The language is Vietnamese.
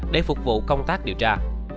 để phục vụ công tác điều tra